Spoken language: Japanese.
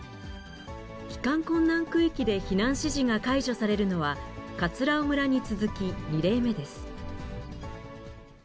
帰還困難区域で避難指示が解除されるのは、葛尾村に続き２例目です。